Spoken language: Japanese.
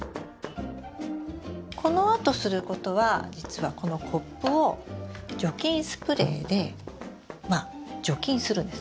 このあとすることは実はこのコップを除菌スプレーで除菌するんです。